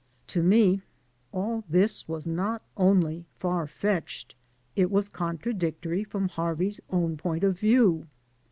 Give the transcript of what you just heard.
To me all this was not only far fetched, it was contradictory from Harvey's own point of view.